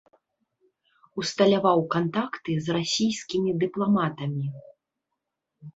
Усталяваў кантакты з расійскімі дыпламатамі.